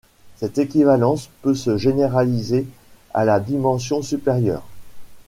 Cette équivalence peut se généraliser à la dimension supérieure.